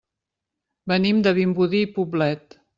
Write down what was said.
Venim de Vimbodí i Poblet.